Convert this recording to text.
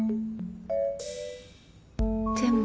でも。